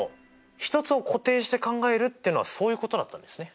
１つを固定して考えるっていうのはそういうことだったんですね。